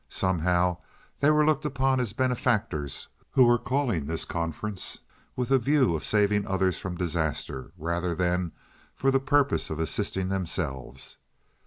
Somehow they were looked upon as benefactors who were calling this conference with a view of saving others from disaster rather than for the purpose of assisting themselves.